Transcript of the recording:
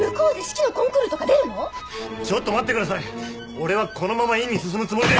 俺はこのまま院に進むつもりで。